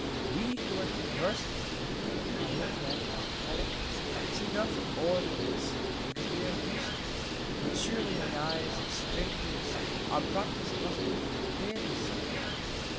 We who are conversant with our own methods of politics, see nothing odd in this, because we are used to it; but surely in the eyes of strangers our practice must be very singular.